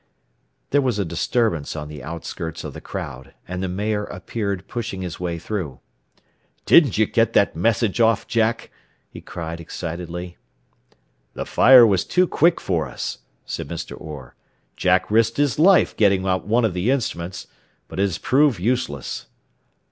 There was a disturbance on the outskirts of the crowd, and the mayor appeared pushing his way through. "Didn't you get that message off, Jack?" he cried excitedly. "The fire was too quick for us," said Mr. Orr. "Jack risked his life getting out one of the instruments. But it has proved useless."